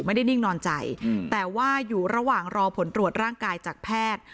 นิ่งนอนใจแต่ว่าอยู่ระหว่างรอผลตรวจร่างกายจากแพทย์